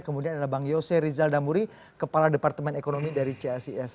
kemudian ada bang yose rizal damuri kepala departemen ekonomi dari csis